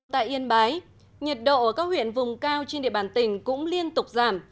tại yên bái nhiệt độ ở các huyện vùng cao trên địa bàn tỉnh cũng liên tục giảm